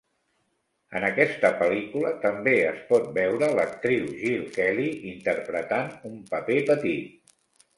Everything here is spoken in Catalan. En aquesta pel·lícula també es pot veure l'actriu Jill Kelly interpretant un paper petit.